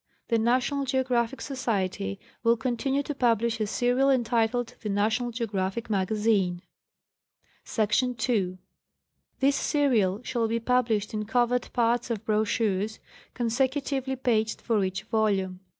The National Geographic Society will continue to publish a serial entitled The National Geographic Magazine. Src. 2. This serial shall be published in covered parts or bro chures, consecutively paged for each volume.